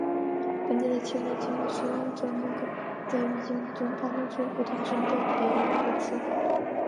本地的切罗基语使用者能够在语境中判断出不同的声调别义的词。